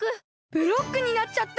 ブロックになっちゃった！